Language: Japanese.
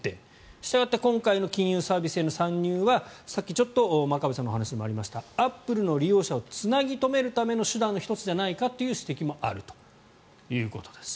したがって今回の金融サービスへの参入はさっき、ちょっと真壁さんの話にもありましたアップルの利用者をつなぎ留める手段の１つじゃないかという指摘もあるということです。